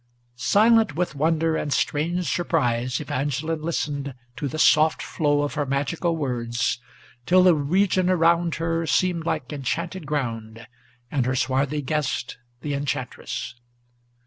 Silent with wonder and strange surprise, Evangeline listened To the soft flow of her magical words, till the region around her Seemed like enchanted ground, and her swarthy guest the enchantress.